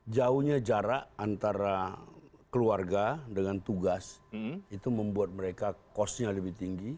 jauhnya jarak antara keluarga dengan tugas itu membuat mereka costnya lebih tinggi